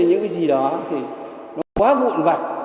những cái gì đó thì nó quá vụn vặt